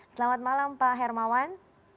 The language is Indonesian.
selamat malam pak hermawan